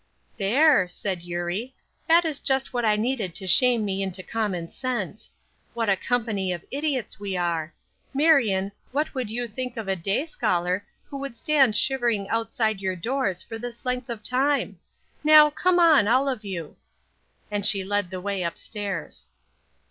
"There!" said Eurie, "that is just what I needed to shame me into common sense. What a company of idiots we are! Marion, what would you think of a day scholar who would stand shivering outside your doors for this length of time? Now come on, all of you;" and she led the way up stairs.